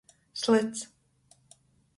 Slyts.